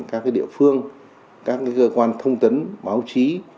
các địa phương các cơ quan thông tấn báo chí